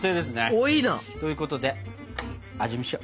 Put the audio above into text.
ほいな！ということで味見しよ！